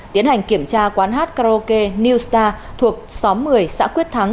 tiến hành kiểm tra quán hát karaoke new star thuộc xóm một mươi xã quyết thắng